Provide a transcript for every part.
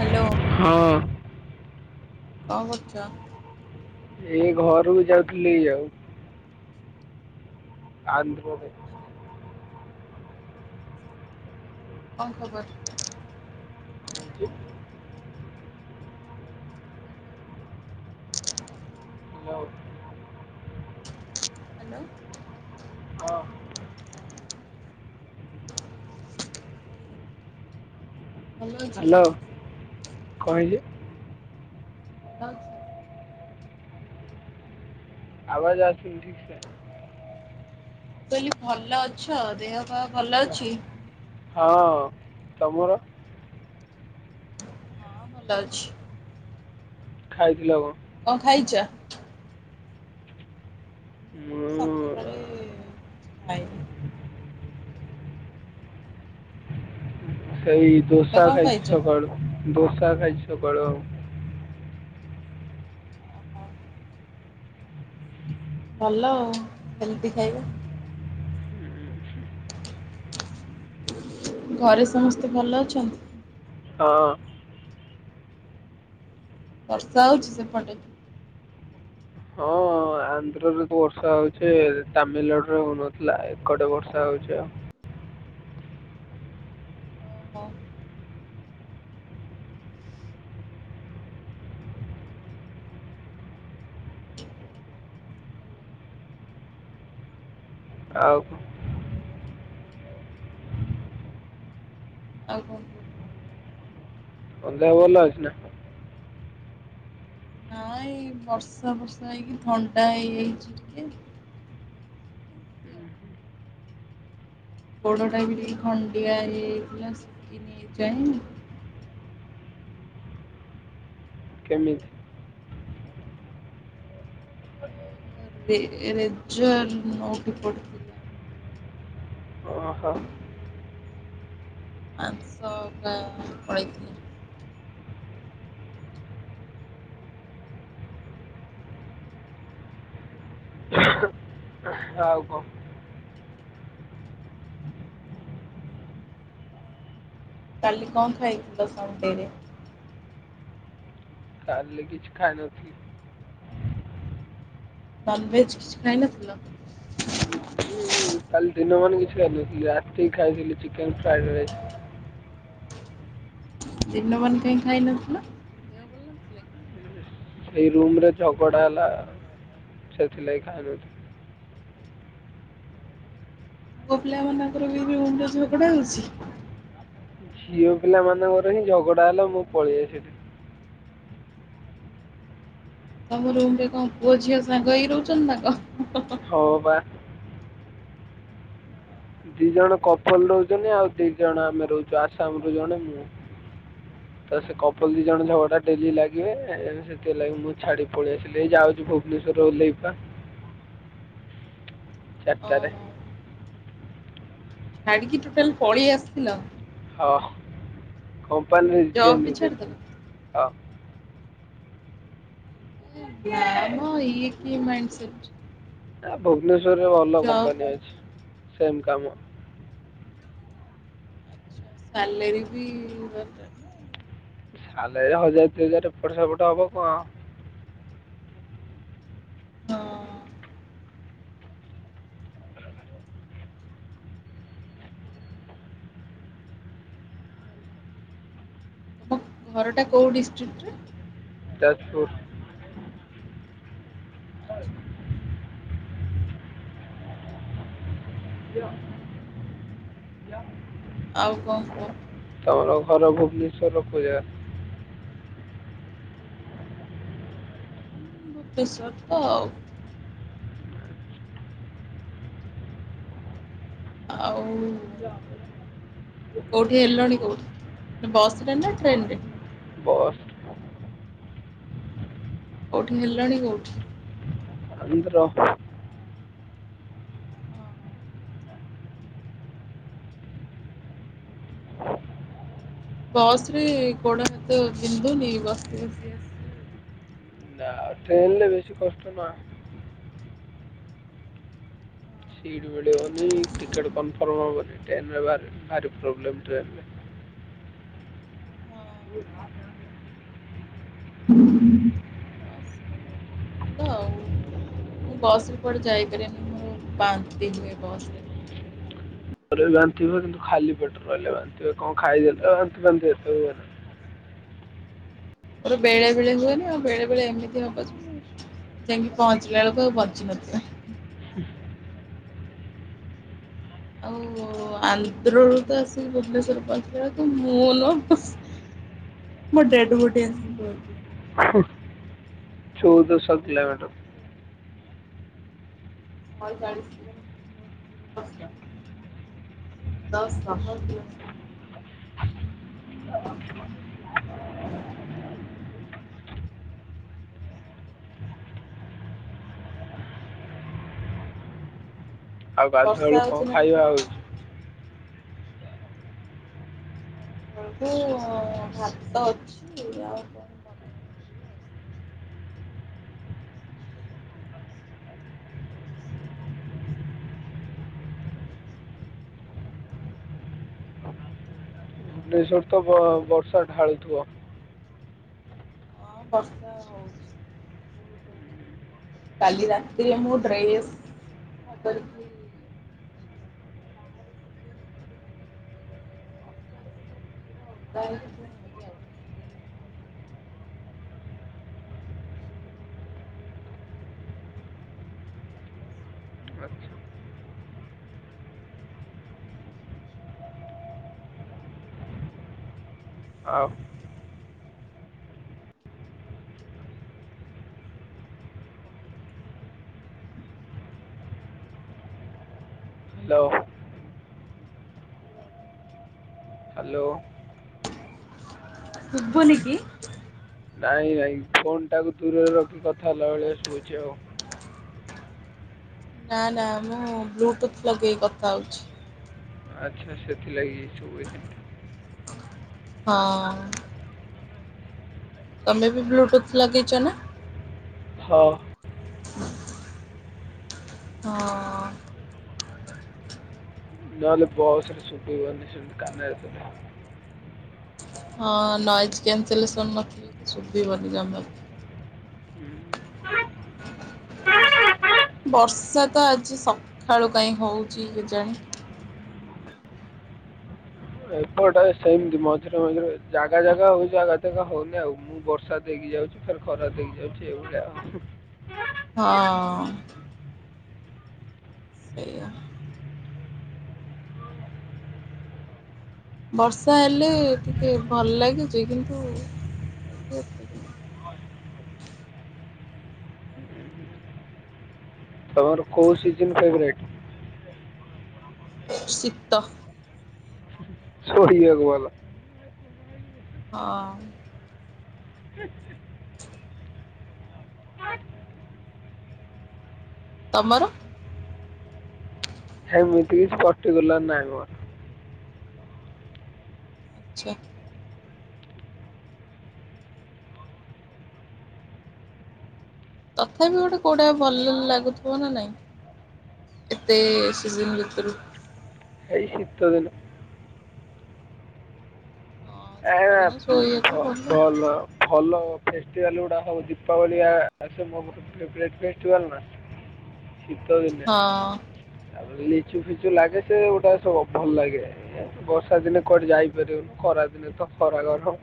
ମାଲୋ। ହଁ। କଣ କରୁଚ? ଏଇ ଘରୁକୁ ଯାଉଥିଲି ଆଉ। [unintelligible] କରୁଛ? କଣ ଖବର? [inaudible] ହ୍ୟାଲୋ। [inaudible] ହାଲୋ। ହ୍ୟାଲୋ। ହଁ। କଣ ଖବର? [inaudible] ହ୍ୟାଲୋ କହିଲେ। ଭଲ ଅଛ? ଆବାଜ ଆସୁନି ଠିକସେ। ମୁଁ କହିଲି ଭଲ ଅଛ ଦେହ ପା ଭଲ ଅଛି? ହଁ ତମର? ହଁ ଭଲ ଅଛି। ଖାଇଥିଲ କଣ? କଣ ଖାଇଚ? ମୁଁ ସଖାଳେ ଖାଇନି। ହେଇ ତମେ ଦୋସା କଣ ଖାଇଚି ଖାଇଛ? ସକାଳୁ, ଦୋସା ଖାଇଚି ସକାଳୁ ଆଉ। ଓ ହୋ। ଭଲ ହେଲ୍ଦି ଖାଇବା। ଘରେ ସମସ୍ତେ ଭଲ ଅଛନ୍ତି? ହଁ। ବର୍ଷା ହଉଚି ସେପଟେ? ହଁ ଆନ୍ଧ୍ରରେ ବର୍ଷା ହଉଚି, ତାମିଲନାଡୁରେ ହଉନଥିଲା ଏ କଡେ ବର୍ଷା ହଉଚି ଆଉ। ଓ ହୋ। ଆଉ କ? ଆଉ କଣ? ତମ ଦେହ ଭଲ ଅଛି ନା? ହଁ ଏଇ ବର୍ଷା ଫର୍ଷା ହେଇକି ଥଣ୍ଡା ହେଇଯାଇଚି ଟିକେ। ଏମିତି ଗୋଡଟା ବି ଟିକେ ଖଣ୍ଡିଆ ହେଇଯାଇଥିଲା ଶୁକିନି ଏଯାଏଁ। କେମିତି? [inaudible] ରେ ରେଜର୍ ନଉଟି ପଡିଥିଲା। ଓହୋ। ମାଂସ ପୁରା ପଳେଇଥିଲା। ଆଉ କଁ? କାଲି କଣ ଖାଇଇଥିଲ ସନଡେ ରେ? କାଲି କିଛି ଖାଇ ନଥିଲି। ନନଭେଜ୍ କିଛି ଖାଇନଥିଲ? ଖାଇନଥିଲି କାଲି ଦିନ ମାନ କିଛି ଖାଇନଥିଲି ରାତି କି ଖାଇଥିଲି ଚିକେନ ଫ୍ରାଇଡ ରାଇସ୍। ଦିନମାନ କାଇଁ ଖାଇନଥିଲ? ଦେହ ଭଲ ନଥିଲା କି? ଏଇ ରୁମ୍ ରେ ଝଗଡା ହେଲା, ସେଇଥିଲାଗି ଖାଇନଥିଲି। ପୁଅ ପିଲାମାନଙ୍କର ବି ରୁମ୍ ରେ ଝଗଡ଼ା ହଉଛି? ଝିଅ ପିଲା ମାନଙ୍କର ହିଁ ଝଗଡା ହେଲା ମୁଁ ପଳିଆ ସେଠି। ତୋମ ରୁମ୍ ରେ କଣ ପୁଅ ଝିଅ ସାଙ୍ଗ ହେଇ ରହୁଚନ୍ତି ନା କଁ? ହଁ ବା। ଦି ଜଣ କପଲ୍ ରହୁଚନ୍ତି, ଆଉ ଦି ଜଣ ଆମେ ରହୁଚୁ, ଆସାମ ରୁ ଜଣେ ମୁଁ। ତ ସେ କପଲ୍ ଦି ଜଣ ଝଗଡା ଡେଲି ଲାଗିବେ ଏ, ସେଥିଲାଗି ମୁଁ ଛାଡି ପଳେଇଆସିଲି, ଏଇ ଯାଉଚୁ ଭୁବନେଶ୍ୱର ରେ ଓଲ୍ହେଇବି ପା। ଚାଟାରେ। ଓହୋ ଛାଡିକି ଟୋଟାଲ ପଳି ଆସିଲ? ହଁ କମ୍ପାନୀ ଜବ୍ ରିଜାଇନ୍ ବି ଛାଡ଼ିଦେଲ? ଦେଇଦେଲି, ହଁ। ଏ ନାମ ଇଏ କି ମାଇଣ୍ଡ ସେଟ୍? ଏ ଭୁବନେଶ୍ୱରରେ ଭଲ ଜବ୍ କମ୍ପାନୀ ଅଛି, ସେମ୍ କାମ। ଛା ସାଲେରି ବି ଦରକାର ନା? ସାଲାରୀ ହଜାର ଦି ହଜାର ଏପଟ ସେପଟ ହବ କଣ। ହଁ। ତୋମ ଘର ଟା କୋଉ ଡିଷ୍ଟ୍ରିକ୍ଟ ରେ? ଯାଜପୁର। ଆଚ୍ଛା। ଆଉ କଣ କୁହ? ତୋମର ଘର ଭୁବନେଶ୍ୱର ର କୋଉ ଜାଗା? ଭୂବନେଶ୍ବର ତ ଆଉ। ଆଉ କୋଉଠି ହେଲଣି କୋଉଠି ବସ୍ ରେ ନା ଟ୍ରେନ୍ ରେ? ବସ୍। କୋଉଠି ହେଲଣି କୋଉଠି? ଭୂବନେଶ୍ବର ର। ଅଁ, ହଁ। ବସ୍ ରେ ଗୋଡ଼ ହାତ ବିନ୍ଧୁନି ବସି ବସି ଆସ? ଆଉ ଟ୍ରେନ୍ ରେ ବେଶୀ କଷ୍ଟ ନା। ଆଉ। ସିଟ୍ ମିଳିବନି, ଟିକେଟ୍ କନଫର୍ମ ହବନି, ଟ୍ରେନ୍ ର ଭାରି ଭାରି ପ୍ରୋବ୍ଲେମ୍ ଟ୍ରେନ୍ ରେ। ହଁ। ହଁ। [inaudible] ହୁଁ। ବସ୍ ରେ ବି ଭଲ ଆଉ। ମୁଁ ବସ୍ ରେ କୁଆଡ଼େ ଯାଇପାରେନି, ମୋର ବାନ୍ତି ହୁଏ ବସ୍ ରେ। ମୋର ବି ବାନ୍ତି ହୁଏ କିନ୍ତୁ ଖାଲି ପେଟରେ ରହିଲେ ବାନ୍ତି ହୁଏ। କଣ ଖାଇଦେଲେ ବାନ୍ନ୍ତି ଫାନ୍ନ୍ତି ଏତେ ହୁଏନା। ମୋର ବେଳେ ବେଳେ ହୁଏନା, ଆଉ ବେଳେ ବେଳେ ଏମିତି ହବ ଯେ ଯାଇକି ପହଞ୍ଚିଲା ବେଳକୁ ଆଉ ବଞ୍ଚି ନଥିବ। ଆଉ ଆନ୍ଧ୍ରରୁ ତ ଆସି ଭୁବନେଶ୍ୱର ପହଞ୍ଚିଲା ବେଳକୁ ମୁଁ ନ ମୋ ଡେଡ୍ ବଡି ଆସିକି ପହଞ୍ଚିବ। ହଁ। ଚଉଦଶହ କିଲୋମିଟର। [unintelligible] ଚାଳିଶ କିଲୋମଟର୍ [inaudible] [inaudible] ଆଉ ବର୍ଷା ଗାଧୁଆବେଳକୁ ହଉଛି କଣ ନା ଖାଇବା ହୁଏ? ସେପଟେ? ସବୁ ଭାତ ଅଛି ଆଉ କରିବ ଆ। ଭୁବନେଶ୍ୱରରେ ତ ବର୍ଷା ଢାଳୁଥିବ। ହଁ ବର୍ଷା ହଉଛି ବହୁତ ଜୋରେ। କାଲି ରାତିରେ ମୁଁ ଡ୍ରେସ୍ ବଦଳିକି ବାହାରାରେ ଯିବି ଓଦା ହେଇକି ମାନେ ଆଜ୍ଞ ଆଉ ବସ। ଆଚ୍ଛା ଆଉ ହ୍ୟାଲୋ ହାଲୋ। ହାଲୋ। ଶୁଭୁନି କି? ନାଇଁ ନାଇଁ ଫୋନଟାକୁ ଦୂରରେ ରଖି କଥା ହେଲା ଭଳିଆ ଶୁଭୂଚି ଆଉ ନା ନା ମୁଁ ବ୍ଲୁଟୁଥ ଲଗେଇକି କଥା ହଉଛି। ଆଚ୍ଛା ସେଥିଲାଗି ଶୁଭୁଚି। ହଁ। ତମେ ବି ବ୍ଲୁଟୁଥ ଲଗେଇଛ ନା? ହଁ। ହଁ। ନହେଲେ ବସରେ ସୁଭିବନି ସେମିତି କାନରେ ଦେଲେ। ହଁ ନଏଜ୍ କିୟାନସ୍ଲେସନ୍ ନଥିଲେ, ସୁଭିବନି ଯମାରୁ। ବର୍ଷା ତ ଆଜି ସଖାଳୁ କାଇଁ ହଉଚି କେଜାଣି? ଏପଟେ ସେମିତି ମଝିରେ ମଝିରେ ଜାଗା ଜାଗା ହଉଚି ଜାଗା ଜାଗା ହଉନି ଆଉ ମୁଁ ବର୍ଷା ଦେଇକି ଯାଉଚି, ଫେର୍ ଖରା ଦେଇକି ଯାଉଚି ଏଇଭଳିଆ। ହଁ। ସେଇଆ। ବର୍ଷା ହେଲେ ଟିକେ ଭଲ ଲାଗେ ଯେ କିନ୍ତୁ ଏ ତମର କୋଉ ସିଜିନ୍ ଫେବରାଇଟି? ଶୀତ। ଶୋଇଆକୁ ଭଲ। ହଁ। ହ [inaudible] [unintelligible] ତମର? ସେମିତି କିଛି ପର୍ଟିକୁଲାର୍ ନାହିଁ ମୋର। ଆଛା। ତଥାପି ଗୋଟେ କୋଉଟା ଭଲ ଲାଗୁଥିବ ନା ନାଇଁ? ଏତେ ସିଜିନ୍ ଭିତରୁ ଏଇ ଶୀତ ଦିନେ। ହଁ ଏ ଶୀତଦିନେ ଶୋଇଆକୁ ଭଲ। ଭଲ ଫେଷ୍ଟିଭାଲ୍ ଗୁଡା ହବ ଦୀପାବଳି ଆସେ ମୋ ଫେବରାଇଟ୍ ଫେଷ୍ଟିବାଲ୍ ନା? [unintelligible] ଶୀତ ଦିନେ ହଁ। ତାପରେ ଲିଚୁ ଫିଚୁ ଲାଗେ ସେ ଗୋଟା ସବୁ ଭଲ ଲାଗେ। ବର୍ଷା ଦିନେ କୁଆଠେ ଯାଇପାରିବନି ଖରା ଦିନେ ତ ଖରା ଗରମ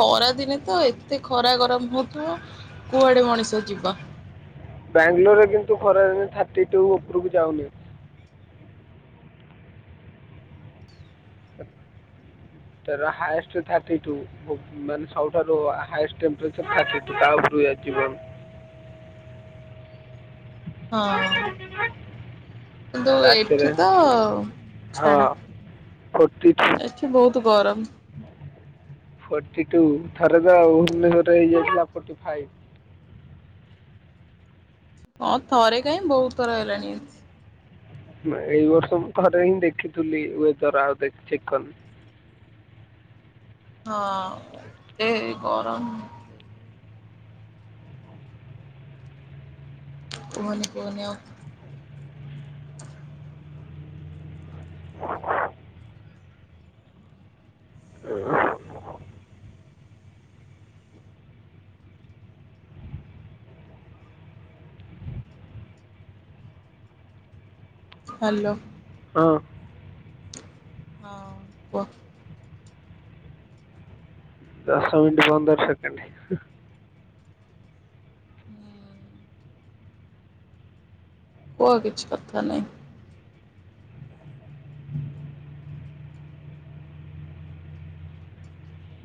ଖରା ଦିନେ ତ ଏତେ ଖରା ଗରମ ହଉଥିବ, କୁଆଡେ ମଣିଷ ଯିବା। ବାଙ୍ଗାଲୋର ରେ କିନ୍ତୁ ଖରାଦିନେ ଥାର୍ଟି ଟୁ ଉପରୁକୁ ଯାଉନି। ତାର ହାଏଷ୍ଟ୍ ଥାର୍ଟି ଟୁ। ମାନେ ସବୁଠାରୁ ହାଏଷ୍ଟ ଟେମ୍ପରେଚର୍ ଥାଟି ଟୁ ତା ଉପରୁକୁ ଯାଇ [unintelligible] ହଁ। କିନ୍ତୁ ଏଠି ରାତିରେ ତ, ହଁ ଛାଡ ଫୋର୍ଟି ଟୁ ସେ ବହୁତ୍ ଗରମ। ଫୋର୍ଟି ଟୁ ଥରେ ତ ଆଉ ଭୁବନେଶ୍ୱରରେ ହେଇଯାଇଥିଲା ଫୋର୍ଟି ଫାଇପ୍। ହଁ ଥରେ କାଇଁ, ବହୁତ୍ ଥର ହେଲାଣି। ଏଇ ବର୍ଷ ମୁଁ ଥରେ ହିଁ ଦେଖିଥିଲି, ୱେଦର ଆଉ ଦେ ଚେକ୍ କରିନି। ହଁ ସେ ଗରମ୍। କୁହନି କୁହନି ଆଉ। ହାଲୋ। ହଁ। ହଁ କୁଅ। ଦଶ ମିନିଟ୍ [unintelligible] ହୁଁ। କୁଅ, କିଛି କଥା ନାହିଁ।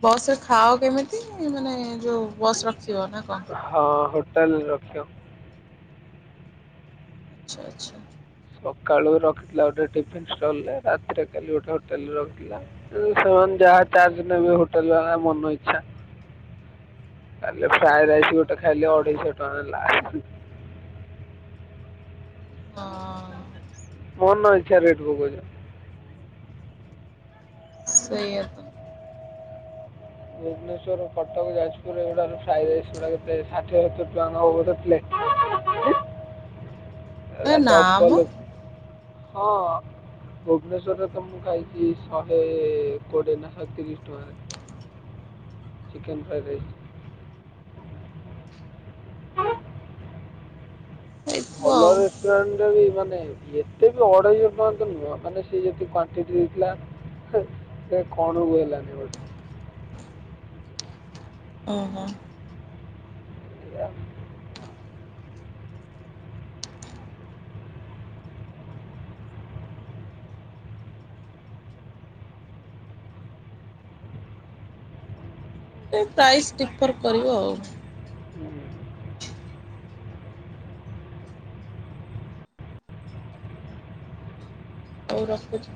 ବସ୍ ରେ ଖାଅ କେମିତି, ମାନେ ଯୋଉ ବସ୍ ରଖିବ ନା କଣ? ହଁ ହୋଟେଲ୍ ରେ ରଖିବ। ଆଚ୍ଛା ଆଚ୍ଛା। ସକାଳୁ ରଖିଥିଲା ଗୋଟେ ଟିଫିନ୍ ଷ୍ଟଲ୍ ରେ ରାତିରେ କାଲି ଗୋଟେ ହୋଟେଲ୍ ରେ ରଖିଥିଲା। ସେମାନେ ଯାହା ତାହା ନେବେ ହୋଟେଲ୍ ବାଲା ମନ ଇଚ୍ଛା। କାଲି ଫ୍ରାଏ ରାଇସ୍ ଗୋଟେ ଖାଇଲି ଅଢେଇଶହ ଟଙ୍କା ହେଲା। ହଁ ହଁ। ମନ ଇଛାରେ ଢୁକୁଛୁ। ସେୟା ତ। ଭୁବନେଶ୍ୱର କଟକ ଯାଜପୁର ଏଗୁଡାର ଫ୍ରାଇ ରାଇସ୍ ଗୁଡା କେତେ ଷାଠିଏ ସତୁରୀ ଟଙ୍କା ନବ ଗୋଟେ ପ୍ଲେଟ୍। ଏ ଏରା ନା ମ ଡବଲ, ହଁ ଭୁବନେଶ୍ୱରରେ ତ ମୁଁ ଖାଇଛି ଶହେ କୋଡିଏ ନା ଶହେ ତିରିଶ ଟଙ୍କାରେ। Chicken fried rice. ହେଇଥିବ ଆଉ ଭଲରେ ପ୍ଲେନେଟା ବି ମାନେ ଏତେ ବି ଅଢେଇଶ ଟଙ୍କା ତ ନୁହଁ। ମାନେ ସେ ଯେତିକି କ୍ୱାଣ୍ଟିଟି ଦେଇଥିଲା ଛେ ସେ କଣକୁ ହେଲାନି ଗୋଟେ। ଓହୋ। [inaudible] [inaudible] ପ୍ରାଇସ୍ ଡିଫର କରିବ ଆଉ [unintelligible] ହଉ ରଖୁଚି।